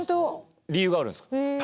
理由があるんですか？